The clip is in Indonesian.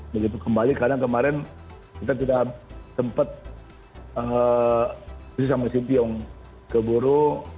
begitu kembali karena kemarin kita tidak sempat bersama si tiong keburu